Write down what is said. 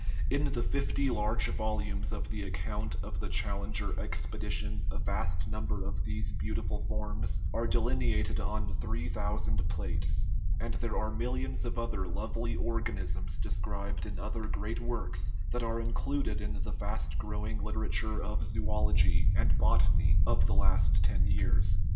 In the fifty large volumes of the account of the Challenger expe dition a vast number of these beautiful forms are delineated on three thousand plates; and there are millions of other lovely organisms described in other great works that are included in the fast growing liter ature of zoology and botany of the last ten years.